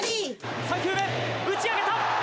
３球目、打ち上げた！